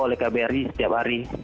lalu dipantau oleh kbri setiap hari